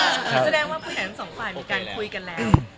เจอแรงว่าผู้ใหญ่สองฝ่ายมีการคุยกันแล้ว